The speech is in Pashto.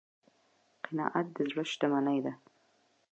قناعت د زړه شتمني ده.